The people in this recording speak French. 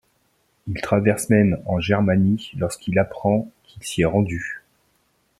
Il traverse même en Germanie lorsqu'il apprend qu'il s'y est rendu.